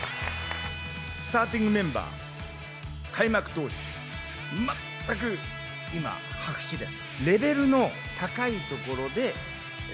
スターティングメンバー、開幕投手、全く今、白紙です。